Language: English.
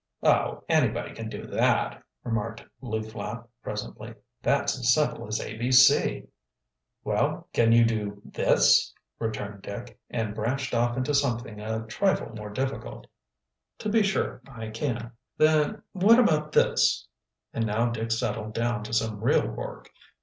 "Oh, anybody can do that," remarked Lew Flapp presently. "That's as simple as A. B. C." "Well, can you do this?" returned Dick, and branched off into something a trifle more difficult. "To be sure I can." "Then what about this?" and now Dick settled down to some real work.